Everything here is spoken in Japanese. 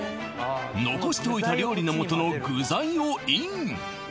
残しておいた料理の素の具材をイン！